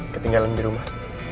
ketinggalan di rumah